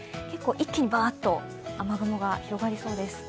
一気にバッと雨雲が広がりそうです。